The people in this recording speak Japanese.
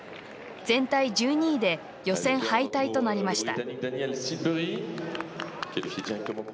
全体１２位で予選敗退となりました。